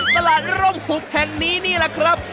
ตลาดรุ่มหุบแผ่นนี้นี่ล่ะครับ